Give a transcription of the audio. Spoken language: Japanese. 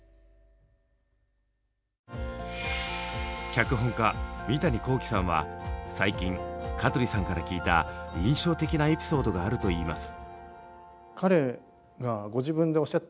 脚本家三谷幸喜さんは最近香取さんから聞いた印象的なエピソードがあるといいます。